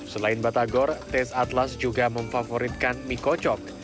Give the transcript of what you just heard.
selain batagor tes atlas juga memfavoritkan mie kocok